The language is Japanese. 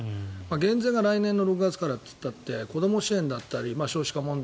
減税が来年の６月からといったって子ども支援だったり少子化問題